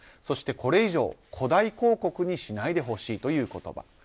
そしてこれ以上、誇大広告にしないでほしいという言葉。